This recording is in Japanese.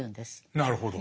なるほど。